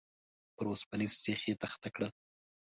پر اوسپنيز سيخ يې تخته کړل.